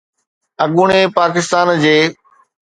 اڳوڻي پاڪستان جي